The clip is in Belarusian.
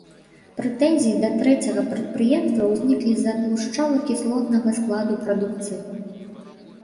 Прэтэнзіі да трэцяга прадпрыемства ўзніклі з-за тлушчава-кіслотнага складу прадукцыі.